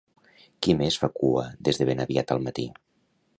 Qui més fa cua des de ben aviat al matí?